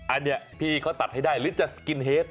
อันนี้พี่เขาตัดให้ได้หรือจะสกินเฮด